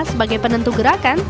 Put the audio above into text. sebagai penentu gerakan